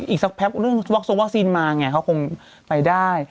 อีกสักแพบเรื่องวอคซีนมาไงเขาคงไปได้